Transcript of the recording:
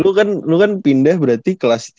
lu kan lu kan pindah berarti kelas tiga sma tuh